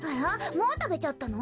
もうたべちゃったの？